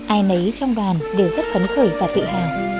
ai nấy trong đoàn đều rất phấn khởi và tự hào